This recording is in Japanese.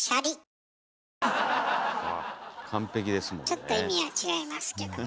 ちょっと意味は違いますけど。